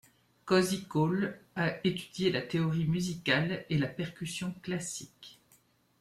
Cozy Cole a étudié la théorie musicale et la percussion classique.